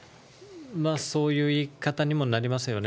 そういう言い方にもなりますよね。